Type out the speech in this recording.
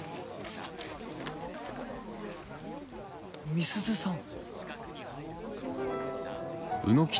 美鈴さん？